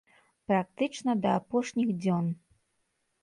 Практычна да апошніх дзён.